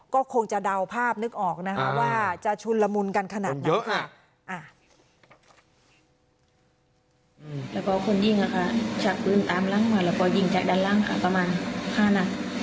ก็คงจะเดาภาพนึกออกนะคะว่าจะชุนละมุนกันขนาดไหนค่ะ